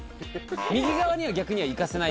右側には逆に行かせないよ。